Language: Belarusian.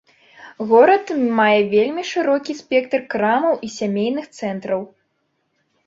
Горад мае вельмі шырокі спектр крамаў і сямейных цэнтраў.